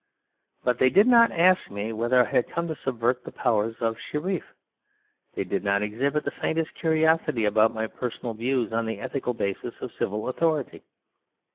But they did not ask me whether I had come to subvert the power of the Shereef; and they did not exhibit the faintest curiosity about my personal views on the ethical basis of civil authority.